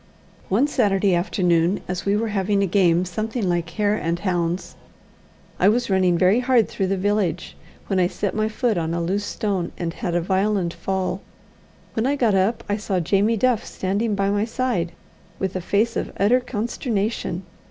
One Saturday afternoon, as we were having a game something like hare and hounds, I was running very hard through the village, when I set my foot on a loose stone, and had a violent fall. When I got up, I saw Jamie Duff standing by my side, with a face of utter consternation.